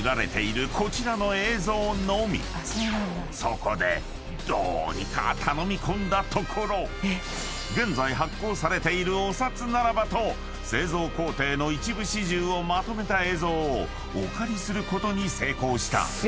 ［そこでどうにか頼み込んだところ現在発行されているお札ならばと製造工程の一部始終をまとめた映像をお借りすることに成功した］